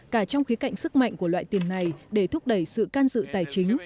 cả trong khí cạnh sức mạnh của loại tiền này để thúc đẩy sự can dự tài chính